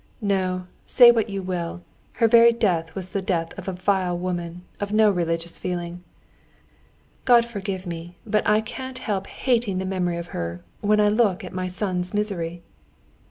No, say what you will, her very death was the death of a vile woman, of no religious feeling. God forgive me, but I can't help hating the memory of her, when I look at my son's misery!"